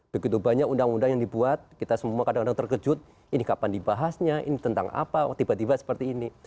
begitu banyak undang undang yang dibuat kita semua kadang kadang terkejut ini kapan dibahasnya ini tentang apa tiba tiba seperti ini